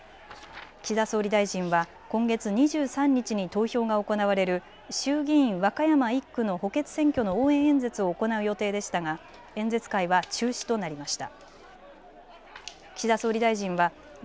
岸田総理大臣は今月２３日に投票が行われる衆議院和歌山１区の補欠選挙の応援演説を行う予定でしたが演説会は中止となりました。